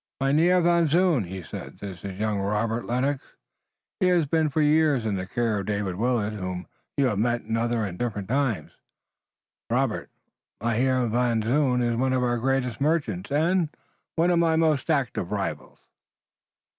"Mynheer Van Zoon," he said, "this is young Robert Lennox. He has been for years in the care of David Willet, whom you have met in other and different times. Robert, Mynheer Van Zoon is one of our greatest merchants, and one of my most active rivals."